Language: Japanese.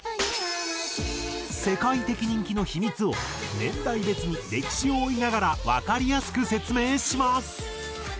世界的人気の秘密を年代別に歴史を追いながらわかりやすく説明します。